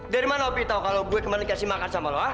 dari mana opi tau kalau gue kemarin dikasih makan sama loa